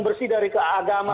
bersih dari keagama